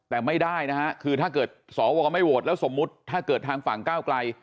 แต่ไม่ได้นะฮะคือถ้าเกิดสวไม่โหวตแล้วสมมุติถ้าเกิดทางฝั่งก้าวไกล